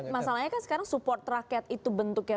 masalahnya kan sekarang support rakyat itu bentuknya